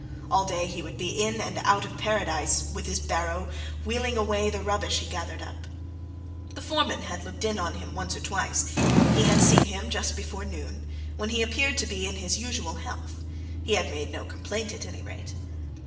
All day he would be in and out of Paradise with his barrow, wheeling away the rubbish he gathered up. The foreman had looked in on him once or twice; he had seen him just before noon, when he appeared to be in his usual health he had made no complaint, at any rate.